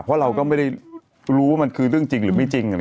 เพราะเราก็ไม่ได้รู้ว่ามันคือเรื่องจริงหรือไม่จริง